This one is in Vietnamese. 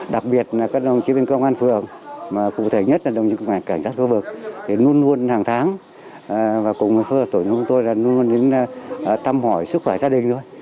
đặc biệt là các đồng chí bên công an phường mà cụ thể nhất là đồng chí bên cảnh sát khu vực thì luôn luôn hàng tháng và cùng với phương hợp tổ chức của tôi là luôn luôn đến tâm hỏi sức khỏe gia đình thôi